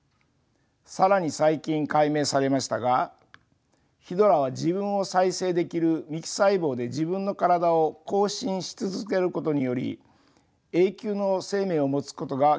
更に最近解明されましたがヒドラは自分を再生できる幹細胞で自分の体を更新し続けることにより永久の生命を持つことが明らかになりました。